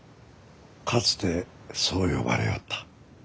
かつてそう呼ばれおった。